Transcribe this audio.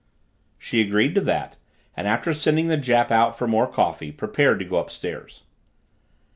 She agreed to that, and after sending the Jap out for more coffee prepared to go upstairs.